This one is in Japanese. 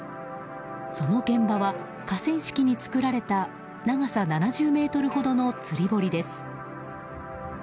その現場は河川敷に作られた長さ７０ｍほどの釣り堀です。